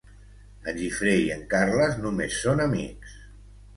En Gifré i en Carles només són amics.